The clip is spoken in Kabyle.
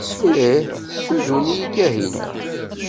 Ih tessuden-iyi Kahina!